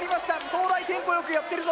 東大テンポよくやってるぞ！